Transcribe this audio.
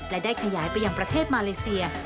และได้ขยายไปยังประเทศมาเลเซีย